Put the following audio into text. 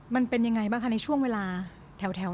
มันเป็นยังไงบ้างคะในช่วงเวลาแถว